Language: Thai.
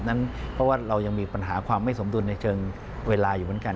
เพราะว่าเรายังมีปัญหาความไม่สมดุลในเชิงเวลาอยู่เหมือนกัน